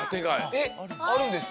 えっあるんですか？